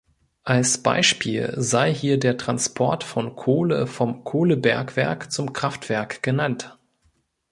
Als Beispiel sei hier der Transport von Kohle vom Kohlebergwerk zum Kraftwerk genannt.